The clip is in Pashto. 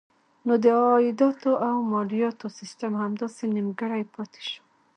نو د عایداتو او مالیاتو سیسټم همداسې نیمګړی پاتې شو.